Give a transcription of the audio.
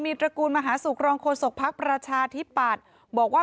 มีตรกูนมหาศูกรองโครศกพรรคประชาทิปตบอกว่า